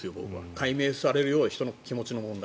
解明されるような要は人の気持ちの問題。